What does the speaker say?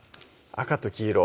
赤と黄色？